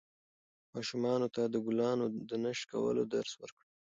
ماشومانو ته د ګلانو د نه شکولو درس ورکړئ.